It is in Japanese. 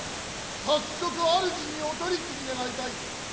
早速主にお取り次ぎ願いたい。